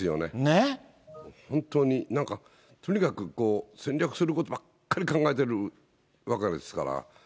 本当に、とにかく占領することばかり考えてるわけですから。